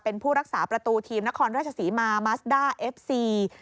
เป็นผู้รักษาประตูทีมนครราชศรีมามัสด้าเอฟซี